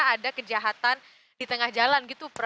ada kejahatan di tengah jalan gitu